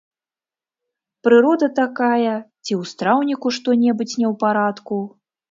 Прырода такая ці ў страўніку што-небудзь не ў парадку?